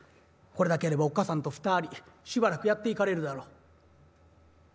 これだけあればおっ母さんと２人しばらくやっていかれるだろう」。